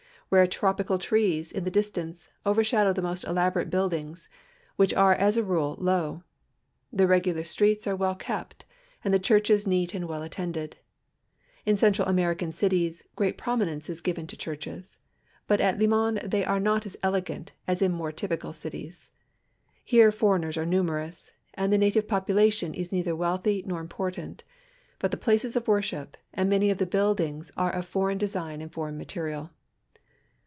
Rare tropical trees in the distance overshadow the most elaborate buildings, which are as a rule low ; the regular streets are well kept, and the churches neat and well attendetl. In C^entral American cities great itruininence is given to churciies, but at Limon they are not as elegant as in more typical cities. Here foreigners are numerous, and the na tive population is neither wealthy nor important, Init the places of worship and many of the buildings are of foreign design and foreign material.